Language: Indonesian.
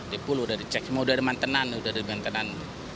di pool sudah dicek semua sudah ada mantenan